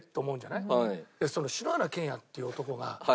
その篠原健也っていう男が。